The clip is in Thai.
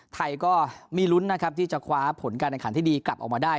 ไทยก็มีลุ้นนะครับที่จะคว้าผลการแข่งขันที่ดีกลับออกมาได้